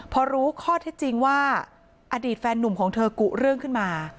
พอรู้ข้อเท็จจริงว่าอดีตแฟนนุ่มของเธอกุเรื่องขึ้นมา